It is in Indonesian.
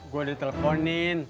gue udah telponin